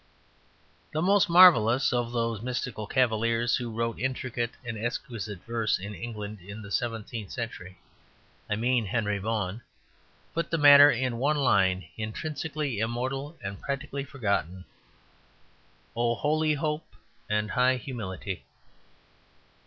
The most marvellous of those mystical cavaliers who wrote intricate and exquisite verse in England in the seventeenth century, I mean Henry Vaughan, put the matter in one line, intrinsically immortal and practically forgotten "Oh holy hope and high humility."